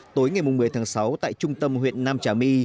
tối ngày một mươi tháng sáu tại trung tâm huyện nam trà my